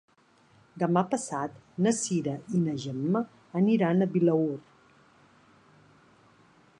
Demà passat na Cira i na Gemma aniran a Vilaür.